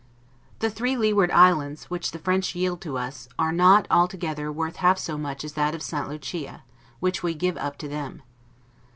The three Leeward islands, which the French yield to us, are not, all together, worth half so much as that of St. Lucia, which we give up to them.